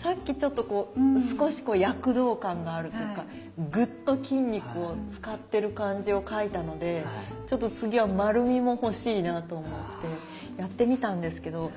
さっきちょっと少し躍動感があるというかぐっと筋肉を使ってる感じを描いたので次は丸みも欲しいなと思ってやってみたんですけど。